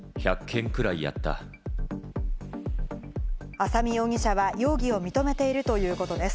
浅見容疑者は容疑を認めているということです。